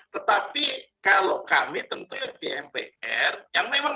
tetapi kalau kami tentunya di mpr